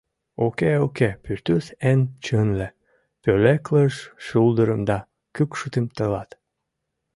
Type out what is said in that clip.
Уке, уке, пӱртӱс эн чынле — Пӧлеклыш шулдырым да кӱкшытым тылат.